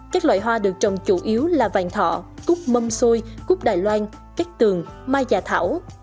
các loại hoa được trồng chủ yếu là vàng thọ cúc mâm xôi cúc đài loan cát tường mai gia thảo